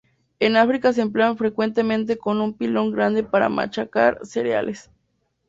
En África se emplea frecuentemente con un pilón grande para machacar cereales.